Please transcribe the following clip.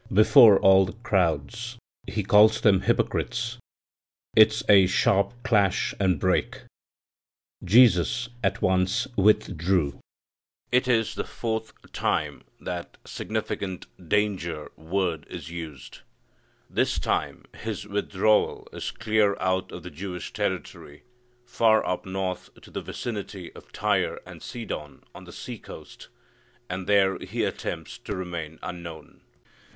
Before all the crowds He calls them hypocrites. It's a sharp clash and break. Jesus at once "withdrew." It is the fourth time that significant danger word is used. This time His withdrawal is clear out of the Jewish territory, far up north to the vicinity of Tyre and Sidon, on the seacoast, and there He attempts to remain unknown.